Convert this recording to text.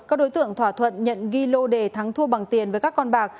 các đối tượng thỏa thuận nhận ghi lô đề thắng thua bằng tiền với các con bạc